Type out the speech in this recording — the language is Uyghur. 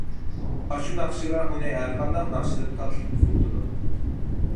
ئاشۇ ناخشىلا ئۇنى ھەرقانداق ناخشىدىن تاتلىق ئۇخلىتىدۇ.